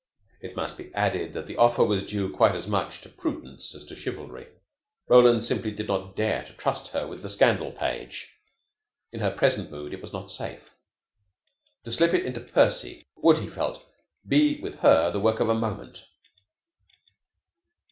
It must be added that the offer was due quite as much to prudence as to chivalry. Roland simply did not dare to trust her with the Scandal Page. In her present mood it was not safe. To slip it into Percy would, he felt, be with her the work of a moment.